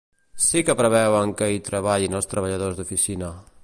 Sí que preveuen que hi treballin els treballadors d’oficina.